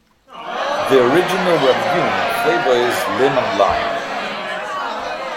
The original ramune flavor is lemon-lime.